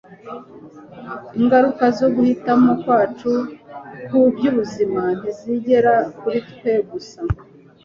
ingaruka zo guhitamo kwacu ku by'ubuzima ntizigera kuri twegusa